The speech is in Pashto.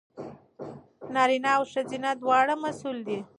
نارینه او ښځینه دواړه مسوول دي.